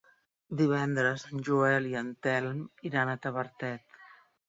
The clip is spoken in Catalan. Divendres en Joel i en Telm iran a Tavertet.